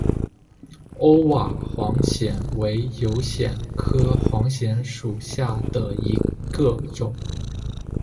欧瓦黄藓为油藓科黄藓属下的一个种。